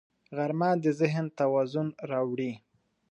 غرمه د ذهن توازن راوړي